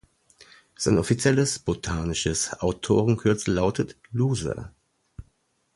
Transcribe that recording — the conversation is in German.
Sein offizielles botanisches Autorenkürzel lautet „Looser“.